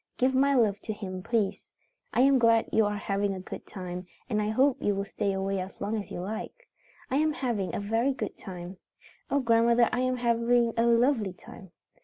Give my love to him, please. I am glad you are having a good time, and I hope you will stay away as long as you like. I am having a very good time. Oh, grandmother, I am having a lovely time.